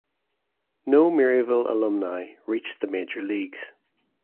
No Maryville alumni reached the major leagues.